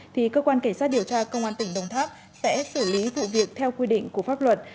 thì cơ quan cảnh sát điều tra công an tỉnh đồng tháp sẽ xử lý vụ việc theo quy định của pháp luật